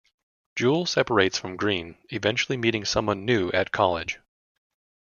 Jewel separates from Green, eventually meeting someone new at college.